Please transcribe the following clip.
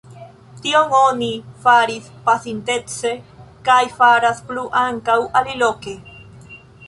Tion oni faris pasintece kaj faras plu ankaŭ aliloke.